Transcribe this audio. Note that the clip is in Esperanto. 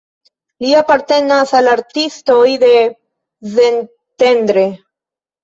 Li apartenas al artistoj de Szentendre.